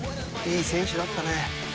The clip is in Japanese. いい選手だったね。